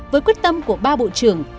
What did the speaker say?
với quyết tâm của ba bộ trưởng